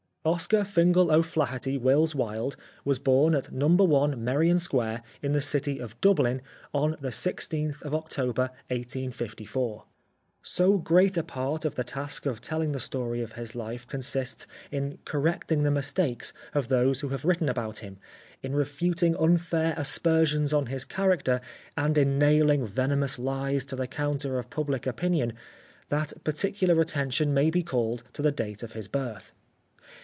Oscar Fingal O'Flahertie Wills Wilde was born at No. i Merrion Square, in the city of Dub lin, on the i6th October 1854. So great a part 3 The Life of Oscar Wilde of the task of telling the story of his hfe consists in correcting the mistakes of those who have written about him, in refuting unfair aspersions on his character, and in naihng venomous hes to the counter of public opinion, that particular attention may be called to the date of his birth.